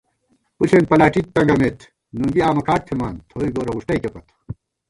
پݪېن پلاٹی تنگَمېت نُنگی آمہ کھاٹ تھِمان، تھوئی گورہ وُݭٹَئیکےپت